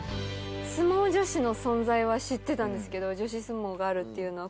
相撲女子の存在は知ってたんですけど女子相撲があるっていうのは。